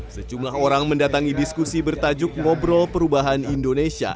sejumlah orang mendatangi diskusi bertajuk ngobrol perubahan indonesia